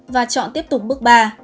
và chọn tiếp tục bước ba